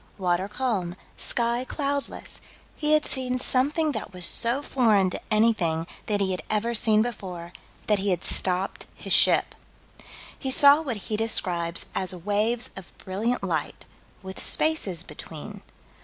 water calm, sky cloudless, he had seen something that was so foreign to anything that he had ever seen before, that he had stopped his ship. He saw what he describes as waves of brilliant light, with spaces between.